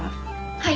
はい！